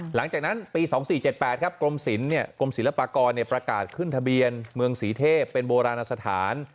หลังจากนั้นปี๒๔๗๘ครับกรมศิลปกรมศิลปากรประกาศขึ้นทะเบียนเมืองศรีเทพเป็นโบราณสถาน